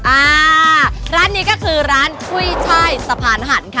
อ่าร้านนี้ก็คือร้านกุ้ยช่ายสะพานหันค่ะ